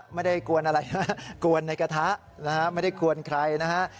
ไม่ได้กวนอะไรฮะกวนในกระทะนะฮะไม่ได้กวนใครนะฮะ